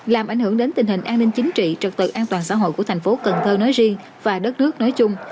làm ảnh hưởng đến tình hình an ninh chính trị trật tự an toàn xã hội của thành phố cần thơ nói riêng và đất nước nói chung